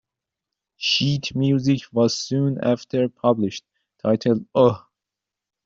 Sheet music was soon after published, titled Oh!